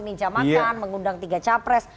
menjamakan mengundang tiga capres